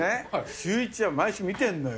シューイチは毎週見てるのよ。